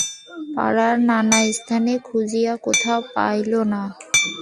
পাড়ার নানাস্থানে খুঁজিয়া কোথাও পাইল না।